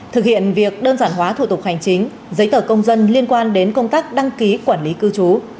thực hiện việc đơn giản hóa thủ tục hành chính giấy tờ công dân liên quan đến công tác đăng ký quản lý cư trú